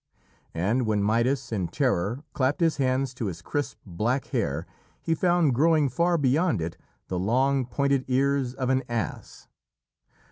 And when Midas, in terror, clapped his hands to his crisp black hair, he found growing far beyond it, the long, pointed ears of an ass.